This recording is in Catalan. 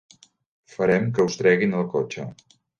Farem que us treguin el cotxe.